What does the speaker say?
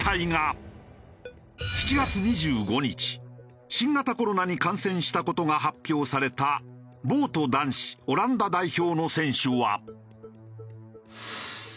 ７月２５日新型コロナに感染した事が発表されたボート男子オランダ代表の選手は。